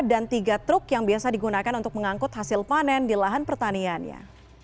dan tiga truk yang biasa digunakan untuk mengangkut hasil panen di lahan pertaniannya